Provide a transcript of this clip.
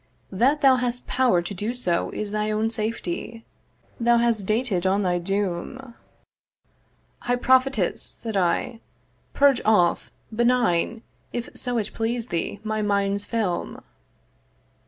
That thou hadst power to do so 'Is thy own safety; thou hast dated on 'Thy doom.' 'High Prophetess,' said I, 'purge off, 'Benign, if so it please thee, my mind's film.'